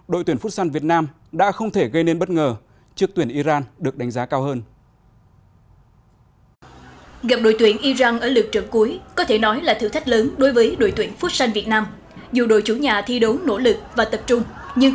đội tuyển phút săn việt nam đã không thể gây nên bất ngờ trước tuyển iran được đánh giá cao hơn